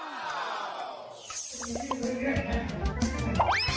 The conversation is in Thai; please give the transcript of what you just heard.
เฮ่ย